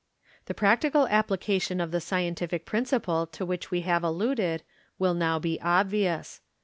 The practical application of the scientific principle to which we have alluded will now be obvious.